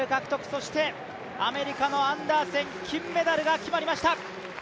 そしてアメリカのアンダーセン、金メダルが決まりました。